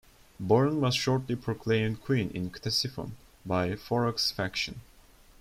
Boran was shortly proclaimed queen in Ctesiphon by Farrukh's faction.